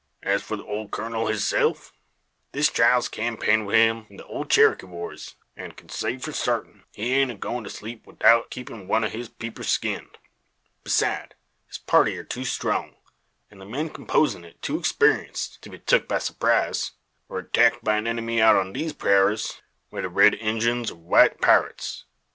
As for the ole kurnel hisself, this chile's kampayned wi' him in the Cherokee wars, an' kin say for sartin he aint a goin' to sleep 'ithout keepin' one o' his peepers skinned. Beside, his party air too strong, an' the men composin' it too exparienced, to be tuk by surprise, or attacked by any enemy out on these purayras, whether red Injuns or white pirates.